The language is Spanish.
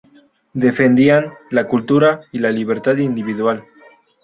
Defendían la cultura y la libertad individual.